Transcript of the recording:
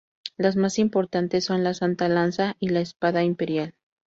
Las más importantes son la Santa Lanza y la espada imperial.